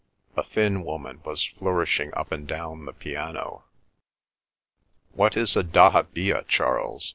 A thin woman was flourishing up and down the piano. "What is a dahabeeyah, Charles?"